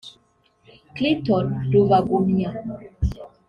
Clinton Rubagumya